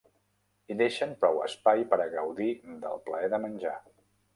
I deixen prou espai per a gaudir del plaer de menjar.